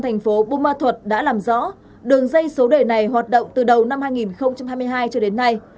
bước đầu công an tp bumma thuật đã làm rõ đường dây số đề này hoạt động từ đầu năm hai nghìn hai mươi hai cho đến nay